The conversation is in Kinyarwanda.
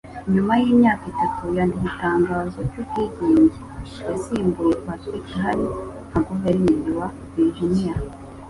Nyuma yimyaka itatu yandika Itangazo ryubwigenge, yasimbuye Patrick Henry nka guverineri wa Virginia